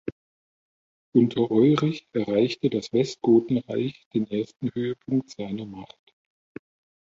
Unter Eurich erreichte das Westgotenreich den ersten Höhepunkt seiner Macht.